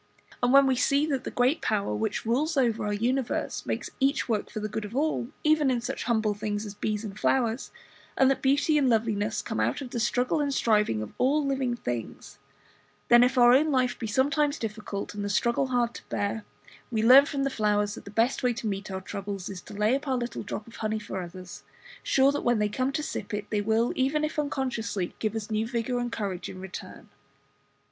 And when we see that the Great Power which rules over our universe makes each work for the good of all, even in such humble things as bees and flowers; and that beauty and loveliness come out of the struggle and striving of all living things; then, if our own life be sometimes difficult, and the struggle hard to bear, we learn from the flowers that the best way to meet our troubles is to lay up our little drop of honey for others, sure that when they come to sip it they will, even if unconsciously, give us new vigour and courage in return.